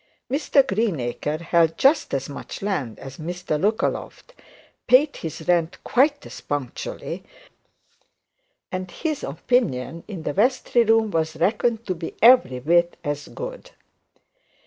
Mr Greenacres held just as much land as Mr Lookaloft, paid his rent quite as punctually, and his opinion in the vestry room was reckoned to be every whit as good.